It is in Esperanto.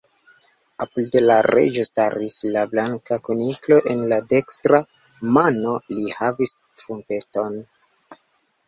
Apud la Reĝo staris la Blanka Kuniklo; en la dekstra mano li havis trumpeton.